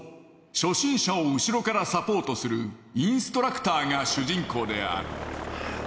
初心者を後ろからサポートするインストラクターが主人公である。